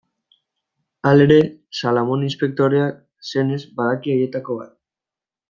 Halere, Salamone inspektoreak, senez, badaki haietako bat.